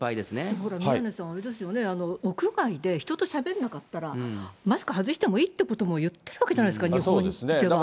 だから宮根さん、あれですよね、屋外で人としゃべらなかったらマスク外してもいいっていうことも言ってるわけじゃないですか、旅行でも。